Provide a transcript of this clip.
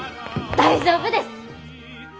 大丈夫です！